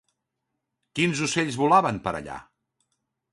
Quins ocells volaven per allà?